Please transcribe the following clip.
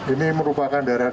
ini merupakan daerahnya